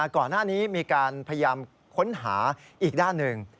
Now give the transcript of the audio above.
ก่อนหน้านี้มีการพยายามค้นหาอีกด้านหนึ่ง